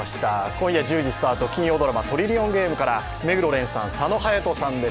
今夜１０時スタート、金曜ドラマ「トリリオンゲーム」から目黒蓮さん佐野勇斗さんです。